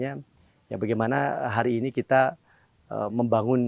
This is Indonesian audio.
ya tentu ya bagaimana hari ini kita membangun